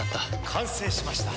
完成しました。